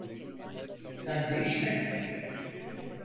Ben değişmedim.